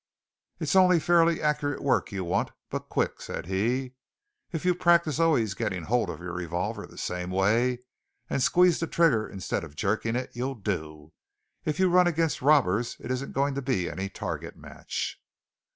"It's only fairly accurate work you want, but quick," said he. "If you practise always getting hold of your revolver the same way, and squeeze the trigger instead of jerking it, you'll do. If you run against robbers it isn't going to be any target match."